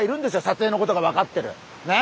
撮影のことがわかってる。ね！